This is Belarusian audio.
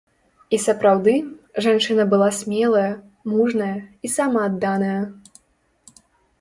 І сапраўды, жанчына была смелая, мужная і самаадданая.